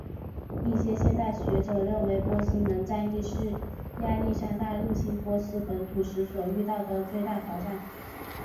一些现代学者认为波斯门战役是亚历山大入侵波斯本土时所遇到的最大挑战。